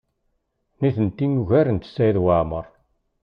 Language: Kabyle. Nitenti ugarent Saɛid Waɛmaṛ.